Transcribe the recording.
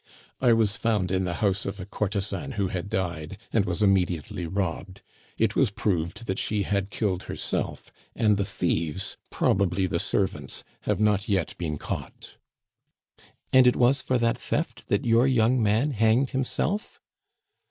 "I was found in the house of a courtesan who had died, and was immediately robbed. It was proved that she had killed herself, and the thieves probably the servants have not yet been caught." "And it was for that theft that your young man hanged himself?"